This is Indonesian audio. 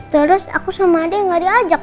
terus aku sama ade nggak diajak